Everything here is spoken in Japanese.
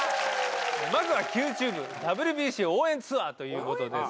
まずは「ＱＴｕｂｅＷＢＣ応援ツアー」ということですがね。